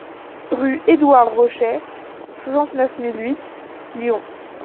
Rue Édouard Rochet, soixante-neuf mille huit Lyon